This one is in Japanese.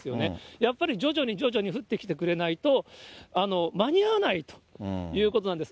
やっぱり、徐々に徐々に降ってきてくれないと、間に合わないということなんです。